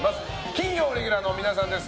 金曜レギュラーの皆さんです。